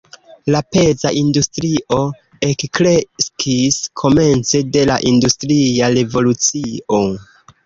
La peza industrio ekkreskis komence de la industria revolucio.